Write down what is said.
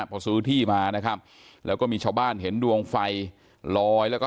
พอซื้อที่มานะครับแล้วก็มีชาวบ้านเห็นดวงไฟลอยแล้วก็